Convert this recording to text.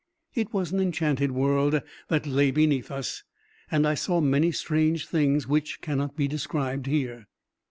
It was an enchanted world that lay beneath us, and I saw many strange things which cannot be described here.